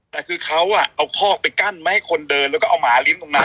แต่คือเขาเอาคอกไปกั้นไม่ให้คนเดินแล้วก็เอาหมาเลี้ยงตรงนั้น